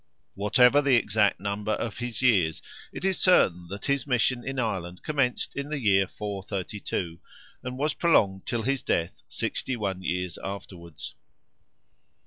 Whatever the exact number of his years, it is certain that his mission in Ireland commenced in the year 432, and was prolonged till his death, sixty one years afterwards.